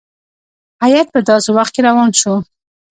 هیات په داسي وخت کې روان شو.